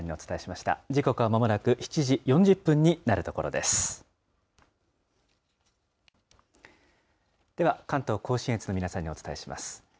では、関東甲信越の皆さんにお伝えします。